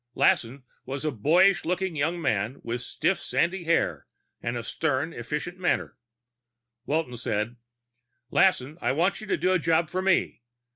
Lassen was a boyish looking young man with stiff sandy hair and a sternly efficient manner. Walton said, "Lassen, I want you to do a job for me.